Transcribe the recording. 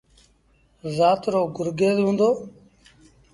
زآت رو گرگيز هُݩدو۔